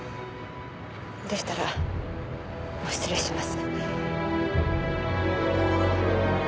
でしたらもう失礼します。